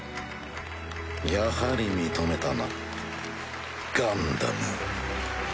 やはり認めたなガンダムを。